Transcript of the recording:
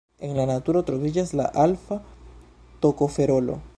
En la naturo troviĝas la alfa-tokoferolo.